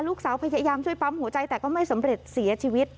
พยายามช่วยปั๊มหัวใจแต่ก็ไม่สำเร็จเสียชีวิต